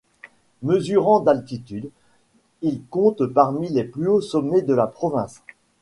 Mesurant d'altitude, il compte parmi les plus hauts sommets de la province.